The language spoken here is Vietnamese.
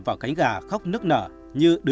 vào cánh gà khóc nức nở như